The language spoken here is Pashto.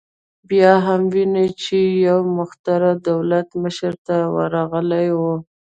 بیا هم وینو چې یو مخترع دولت مشر ته ورغلی و